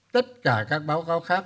tất cả các báo cáo khác